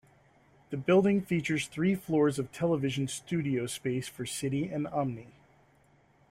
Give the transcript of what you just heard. The building features three floors of television studio space for City and Omni.